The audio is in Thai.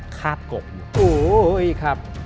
คาบกบอยู่